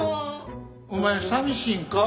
お前寂しいんか？